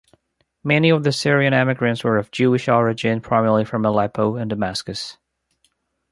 Many of the Syrian emigrants were of Jewish origin primarily from Aleppo and Damascus.